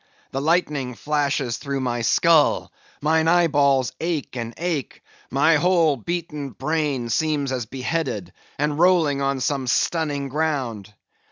The lightning flashes through my skull; mine eye balls ache and ache; my whole beaten brain seems as beheaded, and rolling on some stunning ground.